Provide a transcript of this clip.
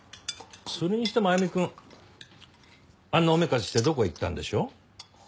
それにしても歩くんあんなおめかししてどこ行ったんでしょう？